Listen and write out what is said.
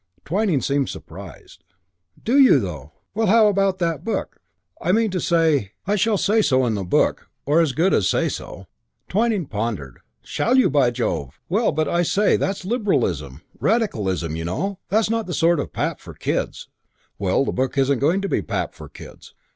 Twyning seemed surprised. "Do you, though? Well, how about that book? I mean to say " "I shall say so in the book. Or as good as say so." Twyning pondered. "Shall you, by Jove? Well, but I say, that's liberalism, radicalism, you know. That's not the sort of pap for kids." "Well, the book isn't going to be pap for kids."